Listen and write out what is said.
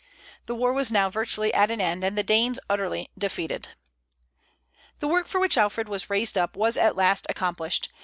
The war was now virtually at an end, and the Danes utterly defeated. The work for which Alfred was raised up was at last accomplished.